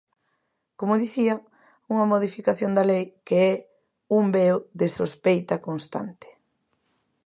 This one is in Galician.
Como dicía, unha modificación da lei que é un veo de sospeita constante.